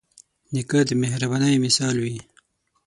نیکه د مهربانۍ مثال وي.